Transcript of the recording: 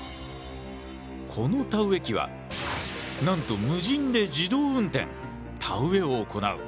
この田植え機はなんと無人で自動運転田植えを行う！